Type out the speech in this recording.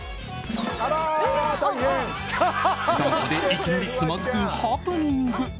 段差で、いきなりつまずくハプニング。